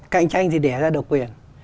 cạnh tranh thì đẻ ra độc quyền